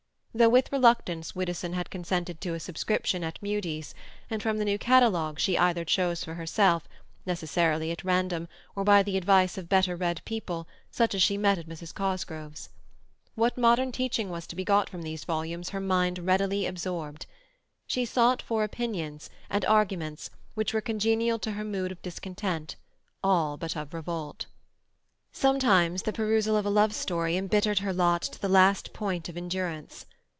Though with reluctance Widdowson had consented to a subscription at Mudie's, and from the new catalogues she either chose for herself, necessarily at random, or by the advice of better read people, such as she met at Mrs. Cosgrove's. What modern teaching was to be got from these volumes her mind readily absorbed. She sought for opinions and arguments which were congenial to her mood of discontent, all but of revolt. Sometimes the perusal of a love story embittered her lot to the last point of endurance.